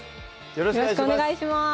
よろしくお願いします